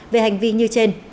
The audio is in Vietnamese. về hành vi như trên